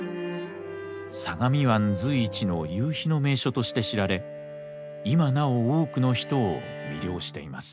相模湾随一の夕日の名所として知られ今なお多くの人を魅了しています。